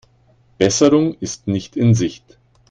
Besserung ist nicht in Sicht.